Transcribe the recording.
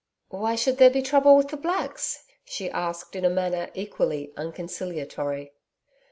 'Why should there be trouble with the Blacks?' she asked, in manner equally unconciliatory.